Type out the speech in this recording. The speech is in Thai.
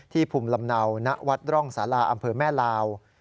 ภูมิลำเนาณวัดร่องสาราอำเภอแม่ลาว